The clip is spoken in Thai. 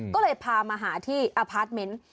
ก็เลยพามาหาที่อพาร์ทเมนต์